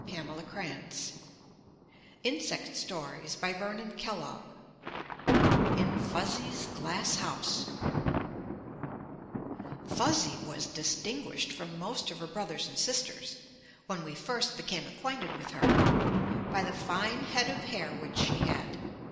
[Illustration: IN FUZZY'S GLASS HOUSE] IN FUZZY'S GLASS HOUSE Fuzzy was distinguished from most of her brothers and sisters, when we first became acquainted with her, by the fine head of hair which she had.